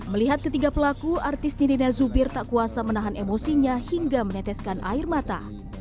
melihat ketiga pelaku artis nirina zubir tak kuasa menahan emosinya hingga meneteskan air mata